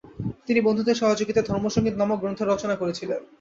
তিনি বন্ধুদের সহযোগিতায় “ ধর্ম সঙ্গিত” নামক গ্রন্থের রচনা করেছিলেন।